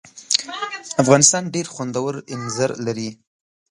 افغانستان ډېر خوندور اینځر لري.